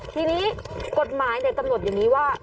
ทีนี้กฎหมายกำหนดอย่างนี้ว่า